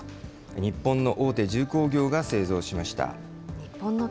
日本の大手重工業が製造しました。